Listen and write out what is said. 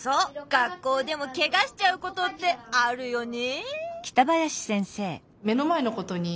学校でもケガしちゃうことってあるよね！